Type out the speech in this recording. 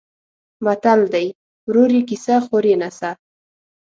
متل دی: ورور یې کسه خور یې نسه.